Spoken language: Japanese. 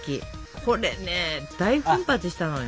これね大奮発したのよ。